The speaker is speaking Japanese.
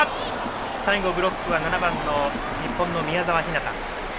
最後、ブロックは７番の日本の宮澤ひなた。